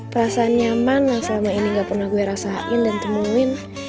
perasaan nyaman yang selama ini gak pernah gue rasain dan temuin